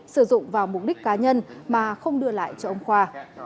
sử dụng vào mục đích cá nhân mà không đưa lại cho ông khoa